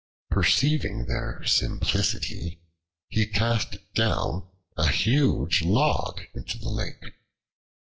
Perceiving their simplicity, he cast down a huge log into the lake.